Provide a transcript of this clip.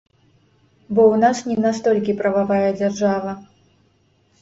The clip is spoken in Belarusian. Бо ў нас не настолькі прававая дзяржава.